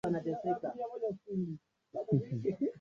mataifa kumi na nane yameungana na china kutotuma wakilishi wao